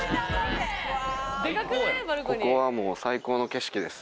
ここはもう最高の景色です。